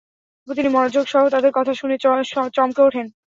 তিনি মনোযোগ সহ তাদের কথা শুনে চমকে ওঠেন।